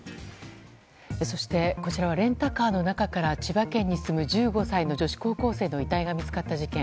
そしてこちらはレンタカーの中から千葉県に住む１５歳の女子高校生の遺体が見つかった事件。